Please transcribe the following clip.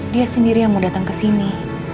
dia sendiri yang mau datang kesini